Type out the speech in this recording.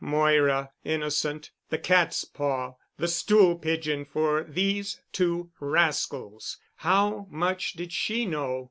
Moira—innocent—the catspaw, the stool pigeon for these two rascals! How much did she know?